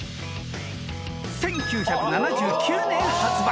［１９７９年発売。